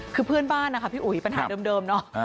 คือเพื่อนบ้านนะคะพี่อุ๋ยปัญหาเดิมเนาะ